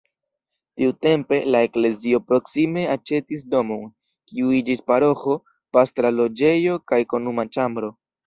Tiutempe la eklezio proksime aĉetis domon, kiu iĝis paroĥo, pastra loĝejo kaj komuna ĉambro.